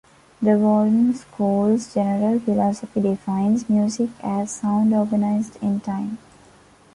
The Walden School's general philosophy defines music as sound organized in time.